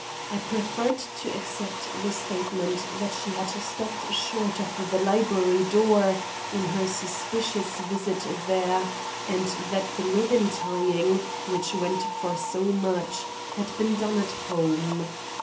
I preferred to accept the statement that she had stopped short of the library door in her suspicious visit there, and that the ribbon tying, which went for so much, had been done at home.